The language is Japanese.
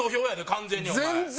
完全にお前。